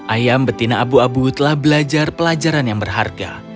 ayam betina abu abu telah belajar pelajaran yang berharga